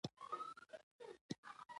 علی د خپلو بد چارو په جه خپلې کورنۍ رټلی دی.